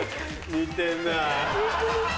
似てんな。